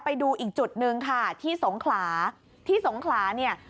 ไปดูอีกจุดหนึ่งค่ะที่สงขลาที่สงขลาเนี่ย